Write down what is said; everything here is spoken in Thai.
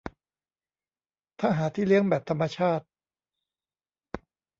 ถ้าหาที่เลี้ยงแบบธรรมชาติ